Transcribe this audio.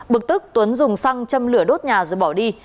bực tức tuấn dùng xăng châm lửa đốt nhà rồi bỏ đi